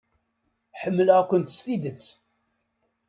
Ḥemmlent-kent s tidet.